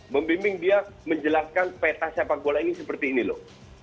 membimbing dia menjelaskan peta sepak bola ini seperti ini loh